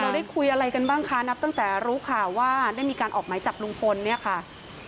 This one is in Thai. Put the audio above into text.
ได้คุยอะไรกันบ้างคะนับตั้งแต่รู้ข่าวว่าได้มีการออกหมายจับลุงพลเนี่ยค่ะ